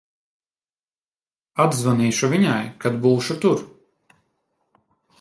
Atzvanīšu viņai, kad būšu tur.